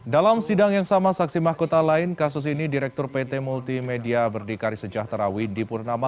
dalam sidang yang sama saksi mahkota lain kasus ini direktur pt multimedia berdikari sejahtera widi purnama